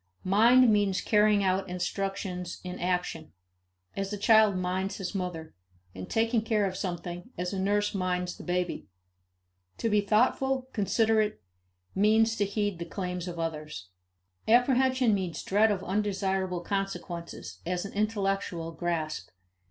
Mind means carrying out instructions in action as a child minds his mother and taking care of something as a nurse minds the baby. To be thoughtful, considerate, means to heed the claims of others. Apprehension means dread of undesirable consequences, as well as intellectual grasp.